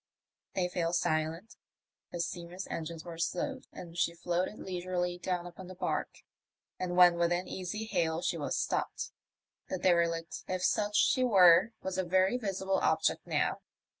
They fell silent, the steamer's engines were slowed, and she floated leisurely down upon the barque, and when within easy hail she was stopped. The derelict, if such she were, was a very visible object now.